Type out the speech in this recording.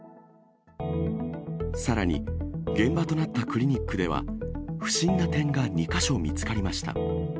さらに現場となったクリニックでは、不審な点が２か所見つかりました。